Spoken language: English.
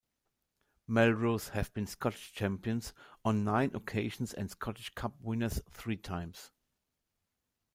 Melrose have been Scottish champions on nine occasions and Scottish cup winners three times.